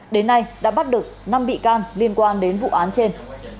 đến nay đã bắt được năm bị can liên quan đến vụ án trên